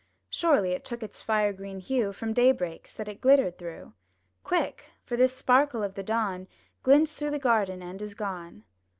Surely it took its fire green hue From daybreaks that it glittered through; Quick, for this sparkle of the dawn Glints through the garden and is gone!